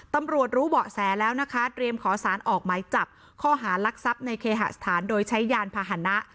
รู้เบาะแสแล้วนะคะเตรียมขอสารออกหมายจับข้อหารักทรัพย์ในเคหสถานโดยใช้ยานพาหนะ